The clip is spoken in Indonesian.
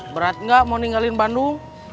berat nggak mau ninggalin bandung